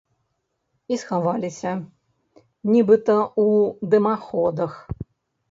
І схаваліся, нібыта, у дымаходах.